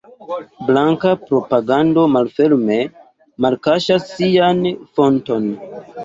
Blanka propagando malferme malkaŝas sian fonton.